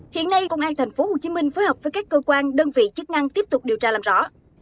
hiện nay công an tp hcm phối hợp với các cơ quan đơn vị chức năng tiếp tục điều tra làm rõ